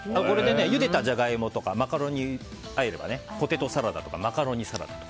ゆでたジャガイモとかマカロニをあえればポテトサラダとかマカロニサラダに。